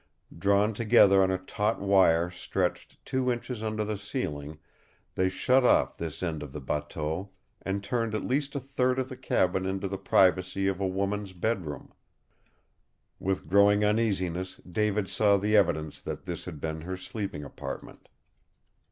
Drawn together on a taut wire stretched two inches under the ceiling, they shut off this end of the bateau and turned at least a third of the cabin into the privacy of the woman's bedroom. With growing uneasiness David saw the evidences that this had been her sleeping apartment.